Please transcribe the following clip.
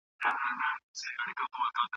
موږ د ښې راتلونکې هيله لرو.